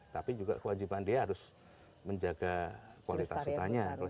tapi juga kewajiban dia harus menjaga kualitas hutannya